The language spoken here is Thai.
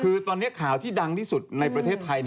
คือตอนนี้ข่าวที่ดังที่สุดในประเทศไทย